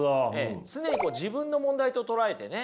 常に自分の問題と捉えてね